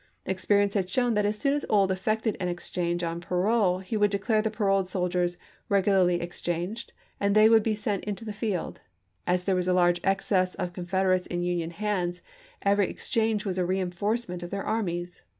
Experience had shown that as soon as Ould effected an exchange on parole he would declare the paroled soldiers regularly exchanged, and they would be sent into the field ; as there was a large excess of Confederates in Union hands, every exchange was a reenf orcement of their armies.